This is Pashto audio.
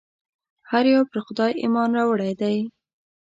هر یو پر خدای ایمان راوړی دی.